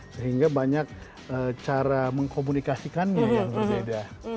sehingga banyak cara mengkomunikasikannya yang berbeda